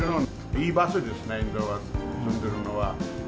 いい場所ですね、インドは、住んでるのは。